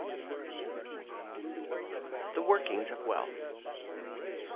THE WORKINGS OF WEALTH.